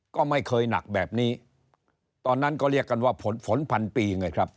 ก็ไม่เคยหนักแบบนี้ตอนนั้นก็เรียกกันว่าผลฝนพันปีไงครับ